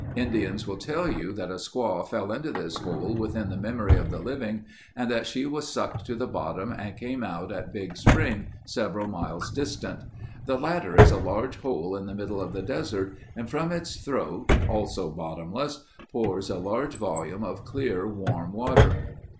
Indians will tell you that a squaw fell into this hole within the memory of the living and that she was sucked to the bottom and came out at Big Spring several miles distant. The latter is a large hole in the middle of the desert and from its throat, also bottomless, pours a large volume of clear, warm water.